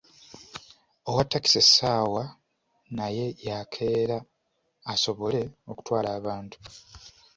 Owa takisi essaawa naye yakeera asobole okutwala abantu.